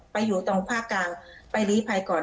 อยู่ตรงภาคกลางไปลีภัยก่อน